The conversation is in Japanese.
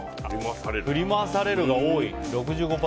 振り回されるが多い。